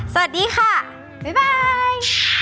สวัสดีค่ะบ๊ายบาย